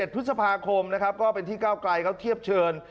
๑พฤษภาคมนะครับก็เป็นที่เก้าไกลเขาเทียบเชิญ